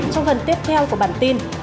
trong phần tiếp theo của bản tin